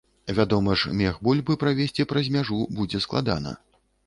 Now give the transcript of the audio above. Вядома ж, мех бульбы правезці праз мяжу будзе складана.